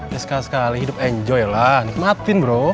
ya sekali hidup enjoy lah nikmatin bro